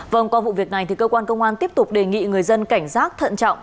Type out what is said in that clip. vâng qua vụ việc này thì cơ quan công an tiếp tục đề nghị người dân cảnh giác thận trọng